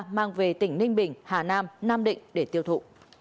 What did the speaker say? mang về tỉnh ninh bình hà nam nam định để tiêu thụ